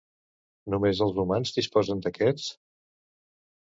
Només els humans disposen d'aquests?